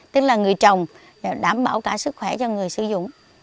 tức là người trồng đảm bảo cả sức khỏe cho người sử dụng